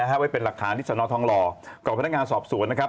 แล้วเอาไว้เป็นหลักค้านิสนทรทองรก่อนพนักงานสอบสวนนะครับ